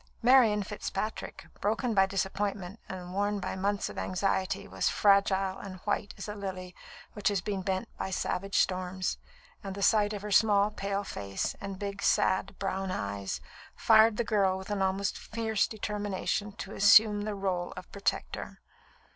Marian Fitzpatrick, broken by disappointment, and worn by months of anxiety, was fragile and white as a lily which has been bent by savage storms, and the sight of her small, pale face and big, sad, brown eyes fired the girl with an almost fierce determination to assume the rôle of protector.